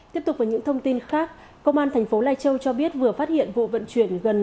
tiếp tục với những thông tin khác công an thành phố lai châu cho biết vừa phát hiện vụ vận chuyển gần